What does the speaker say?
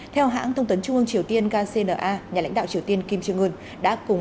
theo hãng thông tấn trung ương triều tiên kcna nhà lãnh đạo triều tiên kim trương ưn đã cùng